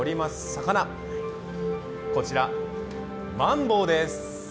魚、こちら、マンボウです。